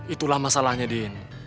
itulah masalahnya din